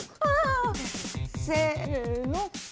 せの。